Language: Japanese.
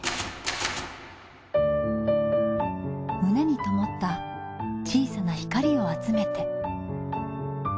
胸にともった小さな光を集めて。